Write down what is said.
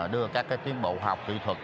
đưa các tiến bộ học kỹ thuật